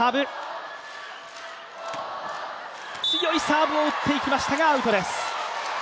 強いサーブを打っていきましたがアウトです。